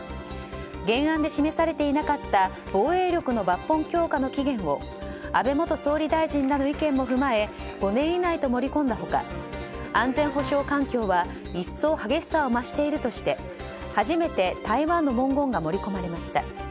原案で示されていなかった防衛力の抜本強化の期限を安倍元総理大臣らの意見も踏まえ５年以内と盛り込んだ他安全保障環境は一層、激しさを増しているとして初めて台湾の文言が盛り込まれました。